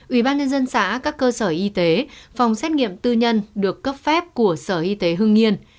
ubnd xã các cơ sở y tế phòng xét nghiệm tư nhân được cấp phép của sở y tế hương yên